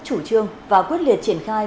chủ trương và quyết liệt triển khai